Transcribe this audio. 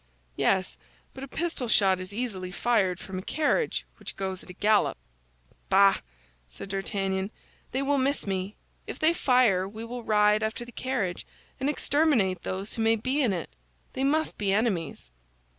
"Yes; but a pistol shot is easily fired from a carriage which goes at a gallop." "Bah!" said D'Artagnan, "they will miss me; if they fire we will ride after the carriage, and exterminate those who may be in it. They must be enemies."